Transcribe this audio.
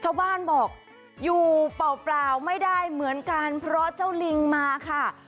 ชาวบ้านบอกอยู่เปล่าไม่ได้เหมือนกันเพราะเจ้าลิงมาค่ะ